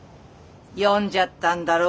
読んじゃったんだろ？